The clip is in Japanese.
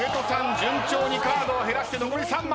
順調にカードを減らして残り３枚。